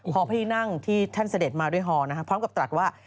พอพระที่นั่งที่ท่านเสด็จมาด้วยฮอพร้อมกับตรัสว่า